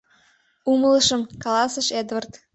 — Умылышым, — каласыш Эдвард.